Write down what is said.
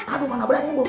aduh gak berani bu